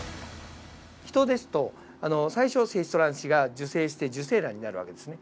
ヒトですと最初は精子と卵子が受精して受精卵になる訳ですね。